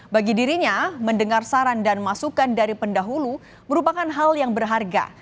bagi dirinya mendengar saran dan masukan dari pendahulu merupakan hal yang berharga